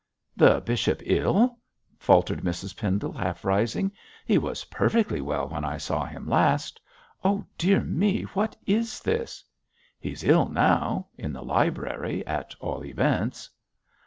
'The bishop ill!' faltered Mrs Pendle, half rising. 'He was perfectly well when I saw him last. Oh, dear me, what is this?' 'He's ill now, in the library, at all events.'